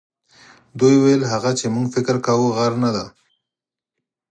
دوی ویل هغه چې موږ فکر کاوه غر نه دی.